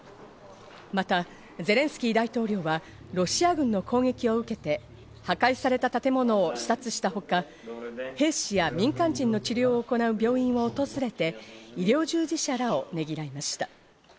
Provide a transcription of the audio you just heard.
またゼレンスキー大統領はロシア軍の攻撃を受けて破壊された建物を視察したほか、兵士や民間人の治療を行う病院を訪れて、医療従事者らをねぎらいました。